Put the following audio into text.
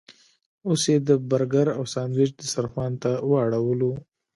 اوس یې د برګر او ساندویچ دسترخوان ته واړولو.